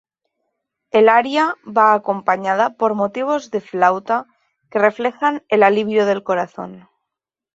El aria va acompañada por motivos de flauta que reflejan el alivio del corazón.